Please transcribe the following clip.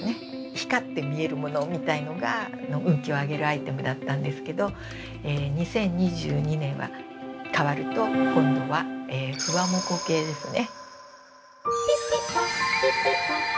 光って見えるものみたいのが運気を上げるアイテムだったんですけど、２０２２年は、かわると、今度は、フワモコ系ですね。